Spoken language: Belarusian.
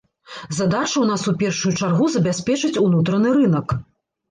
Задача ў нас у першую чаргу забяспечыць унутраны рынак.